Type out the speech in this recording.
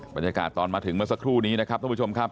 บรรยากาศตอนมาถึงเมื่อสักครู่นี้นะครับท่านผู้ชมครับ